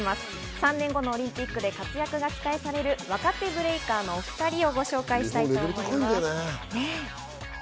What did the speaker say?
３年後のオリンピックで活躍が期待される若手ブレイカーのお２人をご紹介したいと思います。